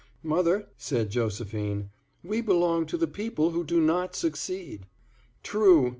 "Mother," said Josephine, "we belong to the people who do not succeed." "True!"